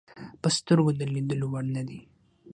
په سترګو د لیدلو وړ نه دي.